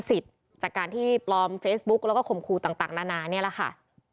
ของลิขสิทธิ์จากการที่ปลอมเฟซบุ๊กแล้วก็ขมครูต่างนานานี้แหละค่ะ